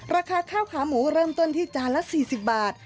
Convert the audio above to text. ราคาข้าวขาหมูเริ่มต้นที่จานละ๔๐บาท